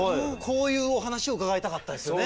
こういうお話を伺いたかったですよね。